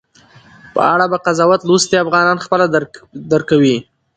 په اړه به قضاوت لوستي افغانان خپله درک وي